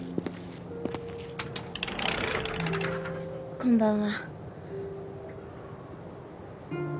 こんばんは。